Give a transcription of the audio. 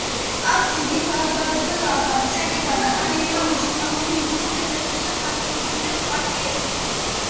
აქ ძირითადად აქცენტი გადატანილია, მუსიკალური ინსტრუმენტების ხანგრძლივ პარტიებზე.